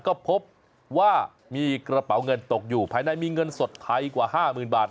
ก็พบว่ามีกระเป๋าเงินตกอยู่ภายในมีเงินสดไทยกว่า๕๐๐๐บาท